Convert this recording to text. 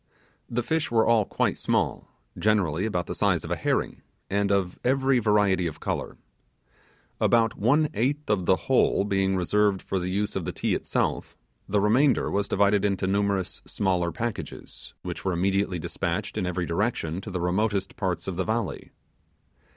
The fish were all quite small, generally about the size of a herring, and of every variety. About one eighth of the whole being reserved for the use of the Ti itself, the remainder was divided into numerous smaller packages, which were immediately dispatched in every direction to the remotest parts of the valley.